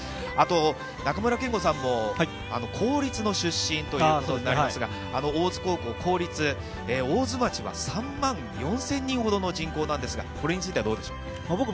あと中村憲剛さんも、公立の出身ということになるんですが、大津高校、公立、大津町は３万４０００人ほどの人口なんですが、これについてはどうでしょう？